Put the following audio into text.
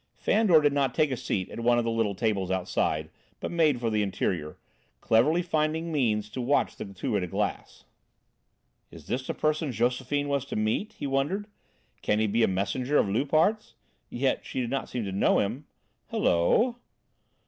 Fandor did not take a seat at one of the little tables outside, but made for the interior, cleverly finding means to watch the two in a glass. "Is this the person Josephine was to meet?" he wondered. "Can he be a messenger of Loupart's? Yet she did not seem to know him. Hullo!"